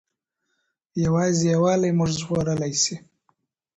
یوازې یووالی موږ ژغورلی سي.